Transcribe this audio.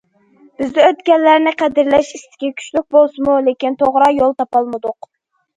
بىزدە ئۆتكەنلەرنى قەدىرلەش ئىستىكى كۈچلۈك بولسىمۇ، لېكىن توغرا يول تاپالمىدۇق.